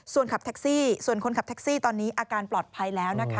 ส่วนขับแท็กซี่ส่วนคนขับแท็กซี่ตอนนี้อาการปลอดภัยแล้วนะคะ